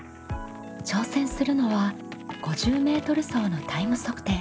挑戦するのは５０ｍ走のタイム測定。